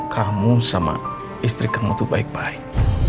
kamu sama istri kamu itu baik baik